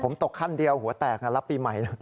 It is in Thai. ผมตกขั้นเดียวหัวแตกรับปีใหม่นะ